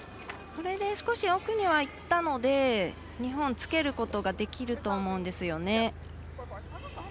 これで少し奥にはいったので日本、つけることができると思うんですよね。